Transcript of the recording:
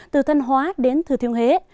từ thanh hóa đến thư thiêu hế